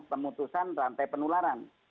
pemutusan rantai penularan